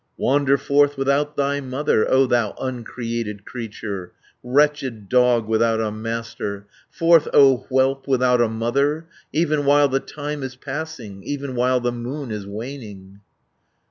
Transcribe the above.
Wander forth without thy mother, O thou uncreated creature, 500 Wretched dog without a master, Forth, O whelp without a mother, Even while the time is passing, Even while the moon is waning."